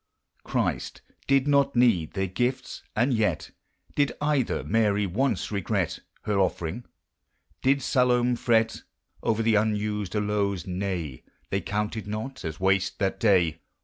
Christ did not need their gifts ; and yet I >id oil her Mary once regret Ber offering? Did Salome fret Over the unused aloes? Nay! ' They counted not as wash', that day.